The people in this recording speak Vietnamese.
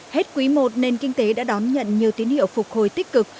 hết quý i nền kinh tế đã đón nhận nhiều tín hiệu phục hồi tích cực